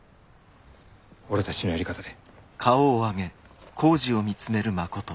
俺たちのやり方で。